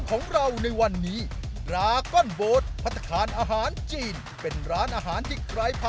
เพราะว่าเราเช่ามาหนึ่งวันจะเต็มครับ